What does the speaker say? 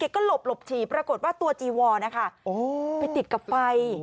ก็หลบฉี่ปรากฏว่าตัวจีวอนนะคะไปติดกับไฟ